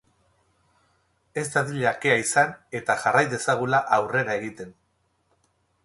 Ez dadila kea izan, eta jarrai dezagula aurrera egiten.